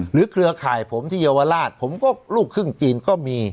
หรือเกลือข่ายผมที่เยียววลาศผมก็ลูกครึ่งจีนก็มี